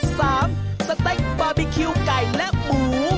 สเต็กบาร์บีคิวไก่และหมู